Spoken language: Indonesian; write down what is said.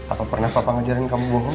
apa pernah papa ngajarin kamu bohong